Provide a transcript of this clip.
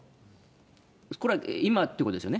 これは今っていうことですよ